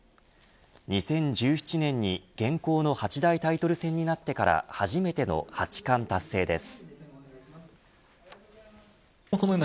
２０１７年に現行の八大タイトル戦になってから初めての八冠達成です。